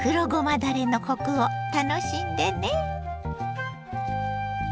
だれのコクを楽しんでね。